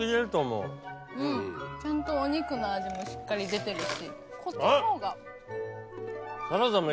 うんちゃんとお肉の味もしっかり出てるし。